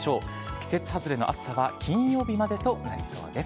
季節外れの暑さは金曜日までとなりそうです。